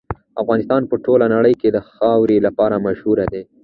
افغانستان په ټوله نړۍ کې د خاورې لپاره مشهور دی.